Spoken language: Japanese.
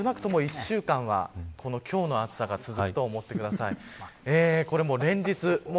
あと少なくとも、一週間は今日の暑さが続くと思ってください。